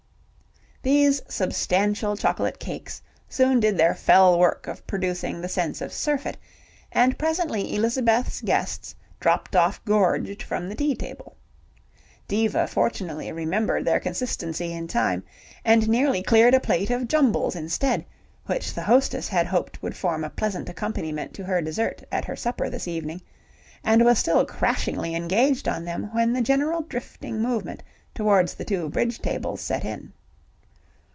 These substantial chocolate cakes soon did their fell work of producing the sense of surfeit, and presently Elizabeth's guests dropped off gorged from the tea table. Diva fortunately remembered their consistency in time, and nearly cleared a plate of jumbles instead, which the hostess had hoped would form a pleasant accompaniment to her dessert at her supper this evening, and was still crashingly engaged on them when the general drifting movement towards the two bridge tables set in.